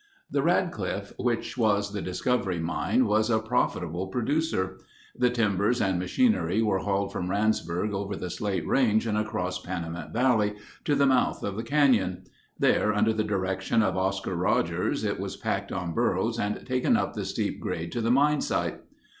The Radcliffe, which was the discovery mine was a profitable producer. The timbers and machinery were hauled from Randsburg over the Slate Range and across Panamint Valley, to the mouth of the canyon. There, under the direction of Oscar Rogers, it was packed on burros and taken up the steep grade to the mine site.